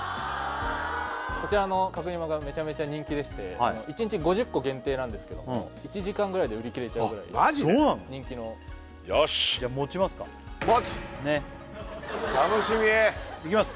こちらの角煮まんがめちゃめちゃ人気でして一日５０個限定なんですけども１時間ぐらいで売れ切れちゃうぐらい人気のよしねっ楽しみ！